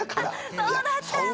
そうだったんだ。